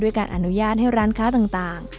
การอนุญาตให้ร้านค้าต่าง